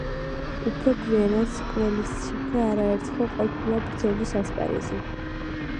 უფრო გვიანაც ყველისციხე არაერთხელ ყოფილა ბრძოლის ასპარეზი.